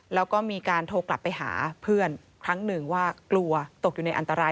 แล้วก็มีการโทรกลับไปหาเพื่อนครั้งหนึ่งว่ากลัวตกอยู่ในอันตราย